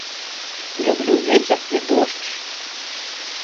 Люблю вецер і дождж.